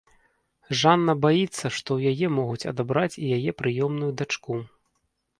Жанна баіцца, што ў яе могуць адабраць і яе прыёмную дачку.